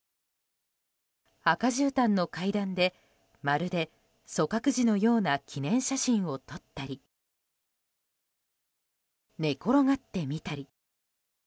赤じゅうたんの階段でまるで組閣時のような記念写真を撮ったり寝転がってみたり。